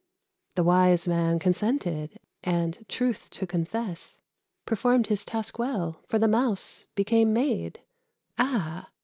The wise man consented, and, truth to confess, Performed his task well, for the Mouse became Maid, Ah!